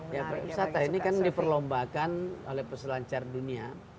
ya para wisata ini kan diperlombakan oleh peselancar dunia